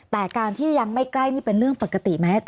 แต่การที่ยังไม่ใกล้นี่เป็นเรื่องปกติไหม